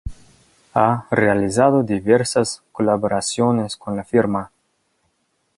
Ha realizado diversas colaboraciones con la firma.